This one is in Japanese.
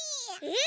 え？